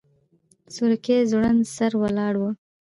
سورکی ځوړند سر ولاړ و.